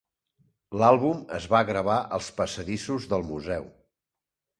L'àlbum es va gravar als passadissos del museu.